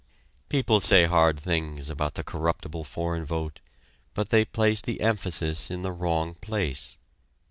People say hard things about the corruptible foreign vote, but they place the emphasis in the wrong place.